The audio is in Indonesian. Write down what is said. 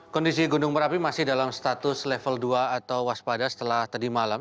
kondisi gunung merapi masih dalam status level dua atau waspada setelah tadi malam